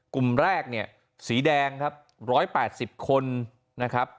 กลุ่มแรกเนี่ยสีแดงครับ๑๘๐คนนะครับ